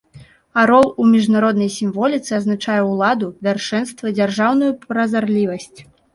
Арол у міжнароднай сімволіцы азначае ўладу, вяршэнства, дзяржаўную празарлівасць.